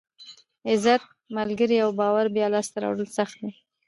عزت، ملګري او باور بیا لاسته راوړل سخت دي.